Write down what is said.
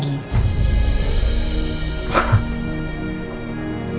gimana gak mikirin sih ma